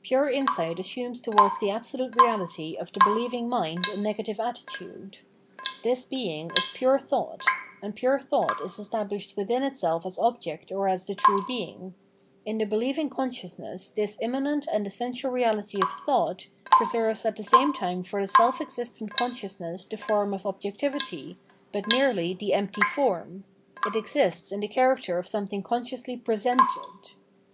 Pure insight assumes towards the absolute Eeality of the beheving mind a negative attitude. This Being is pure thought, and pure thought is established within itself as object or as the true Being; in the beheving consciousness this immanent and essential reahty of thought preserves at the same time for the seh existent consciousness the form of objectivity, but merely the empty form; it exists in the character of something consciously "presented."